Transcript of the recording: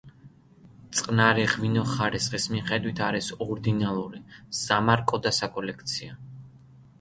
წყნარი ღვინო ხარისხის მიხედვით არის ორდინალური, სამარკო და საკოლექციო.